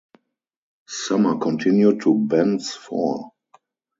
Sumner continued to Bent's Fort.